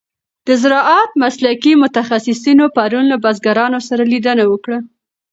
د زراعت مسلکي متخصصینو پرون له بزګرانو سره لیدنه وکړه.